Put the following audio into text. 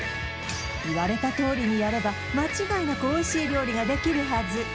言われたとおりにやれば間違いなくおいしい料理ができるはず！